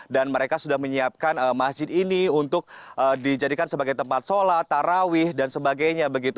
dan mereka sudah menyiapkan masjid ini untuk dijadikan sebagai tempat sholat tarawih dan sebagainya